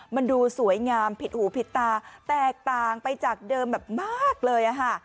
มันดูสวยงามผิดหูผิดตาแตกต่างไปจากเดิมแบบมากเลยค่ะ